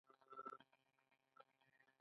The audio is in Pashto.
د نجونو تعلیم د زدکړو دوام تضمین کوي.